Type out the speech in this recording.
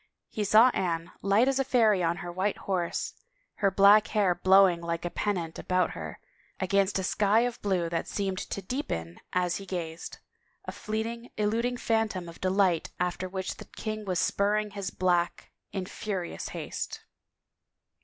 He saw Anne, light as a fairy on her white horse, her black hair blowing like a pennant about her, against a sky of blue that seemed to deepen as he gazed ; a fleeting, eluding phantom of delight after which the king was spurring his black in furious haste.